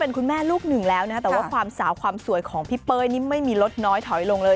เป็นนุ่มน้อยแสดงแรงอีกคนนึงเลย